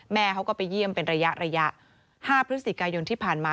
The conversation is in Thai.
แม่เขาก็ไปเยี่ยมเป็นระยะ๕พฤศจิกายนที่ผ่านมา